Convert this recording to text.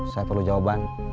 saya perlu jawaban